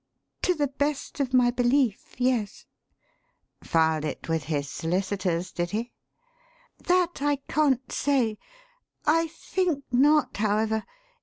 "To the best of my belief yes." "Filed it with his solicitors, did he?" "That I can't say. I think not, however.